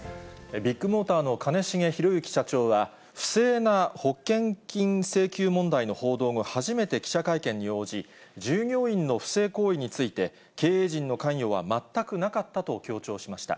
ビッグモーターの兼重宏行社長は、不正な保険金請求問題の報道後、初めて記者会見に応じ、従業員の不正行為について、経営陣の関与は全くなかったと強調しました。